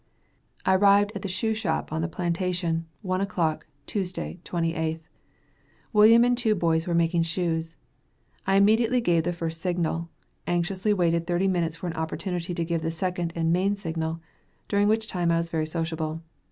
I arrived at the shoe shop on the plantation, one o'clock, Tuesday, 28th. William and two boys were making shoes. I immediately gave the first signal, anxiously waiting thirty minutes for an opportunity to give the second and main signal, during which time I was very sociable.